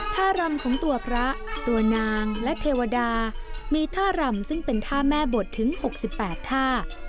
ท่ารำของตัวพระตัวนางและเทวดามีท่ารำซึ่งเป็นท่าแม่บทถึง๖๘ท่า